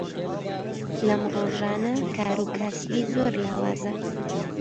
لەم ڕۆژانە کاروکاسبی زۆر لاوازە.